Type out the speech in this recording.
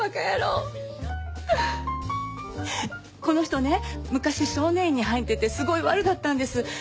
この人ね昔少年院に入っててすごいワルだったんです。